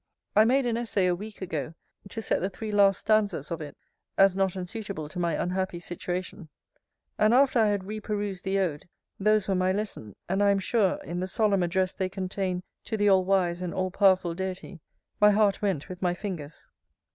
I made an essay, a week ago, to set the three last stanzas of it, as not unsuitable to my unhappy situation; and after I had re perused the Ode, those were my lesson; and, I am sure, in the solemn address they contain to the All Wise and All powerful Deity, my heart went with my fingers.